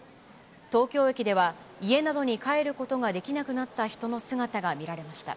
東京駅では、家などに帰ることができなくなった人の姿が見られました。